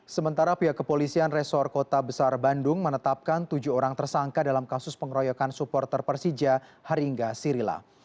sementara pihak kepolisian resor kota besar bandung menetapkan tujuh orang tersangka dalam kasus pengeroyokan supporter persija haringga sirila